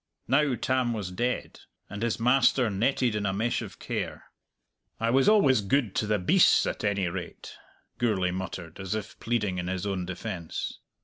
Now Tam was dead, and his master netted in a mesh of care. "I was always gude to the beasts, at any rate," Gourlay muttered, as if pleading in his own defence.